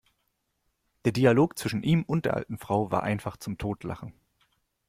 Der Dialog zwischen ihm und der alten Frau war einfach zum Totlachen!